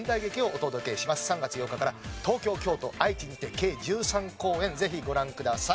３月８日から東京京都愛知にて計１３公演ぜひご覧ください。